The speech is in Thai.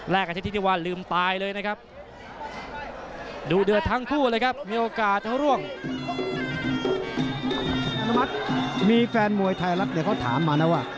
มีแฟนมวยไทยรัฐเนี่ยเขาถามมานะว่า